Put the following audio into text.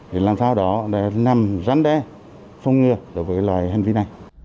để làm sao đó nằm rắn đe không ngừa đối với loại hành vi này